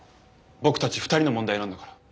僕たち２人の問題なんだから。